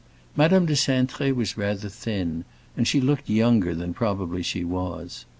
Madame de Cintré was rather thin, and she looked younger than probably she was.